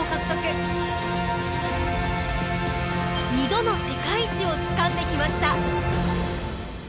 ２度の世界一をつかんできました。